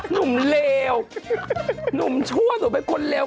หนุ่มเลวหนุ่มชั่วหนูเป็นคนเลว